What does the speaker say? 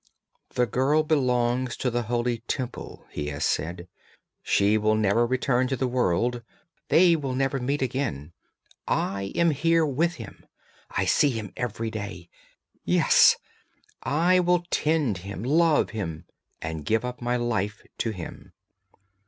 'The girl belongs to the holy Temple, he has said; she will never return to the world, they will never meet again. I am here with him; I see him every day. Yes! I will tend him, love him, and give up my life to him.'